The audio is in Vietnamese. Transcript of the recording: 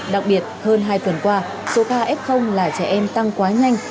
đặc biệt hơn hai tuần qua số ca f là trẻ em tăng quá nhanh